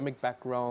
latar belakang agama